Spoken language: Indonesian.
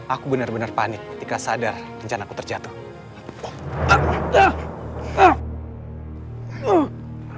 aku benar benar panik ketika sadar rencanaku terjatuh